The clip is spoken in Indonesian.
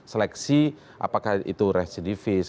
seleksi apakah itu residivis